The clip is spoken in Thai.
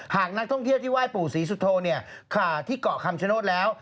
หากนักท่องเที่ยวที่ไหว้ปู่ศรีสุโธที่เกาะคำชโนธแล้ว